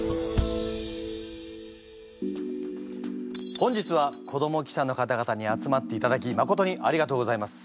本日は子ども記者の方々に集まっていただきまことにありがとうございます。